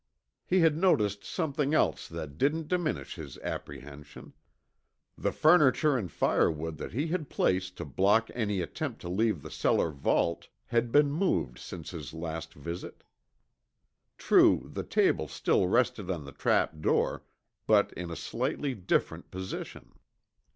He had noticed something else that didn't diminish his apprehension. The furniture and firewood that he had placed to block any attempt to leave the cellar vault had been moved since his last visit. True, the table still rested on the trapdoor, but in a slightly different position.